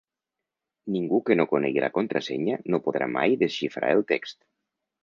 Ningú que no conegui la contrasenya no podrà mai desxifrar el text.